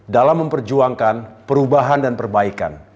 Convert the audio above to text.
dalam memperjuangkan perubahan dan perbaikan